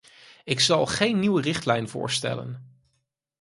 Ik zal geen nieuwe richtlijn voorstellen.